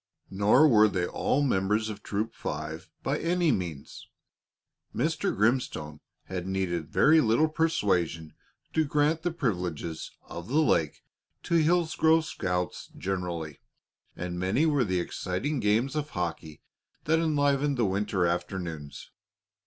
Nor were they all members of Troop Five by any means. Mr. Grimstone had needed very little persuasion to grant the privileges of the lake to Hillsgrove scouts generally, and many were the exciting games of hockey that enlivened the winter afternoons.